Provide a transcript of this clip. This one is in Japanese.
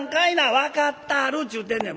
「分かったぁるっちゅうてんねん。